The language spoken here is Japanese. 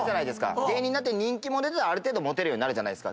芸人になって人気も出てモテるようになるじゃないですか。